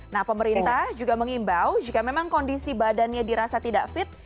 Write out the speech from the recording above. nah pemerintah juga mengimbau jika memang kondisi badannya dirasa tidak fit